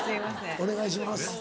お願いします。